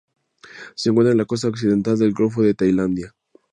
Se encuentra en la costa occidental del golfo de Tailandia.